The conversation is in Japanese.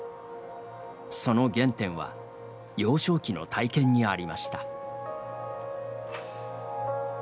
その原点は幼少期の体験にありました。